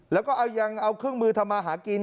แล้วก็ยังเอาเครื่องมือทำมาหากิน